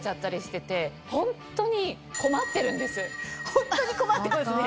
ホントに困ってますね。